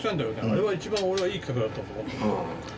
あれは一番俺はいい企画だったと。